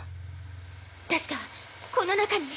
確かこの中に。